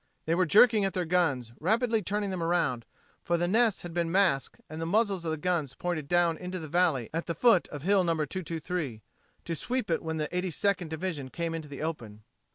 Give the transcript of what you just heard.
They were jerking at their guns, rapidly turning them around, for the nests had been masked and the muzzles of the guns pointed down into the valley at the foot of Hill No. 223, to sweep it when the Eighty Second Division came out into the open.